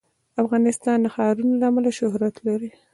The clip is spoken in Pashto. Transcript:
افغانستان د ښارونه له امله شهرت لري.